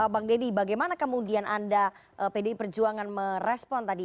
bang deddy bagaimana kemudian anda pdi perjuangan merespon tadi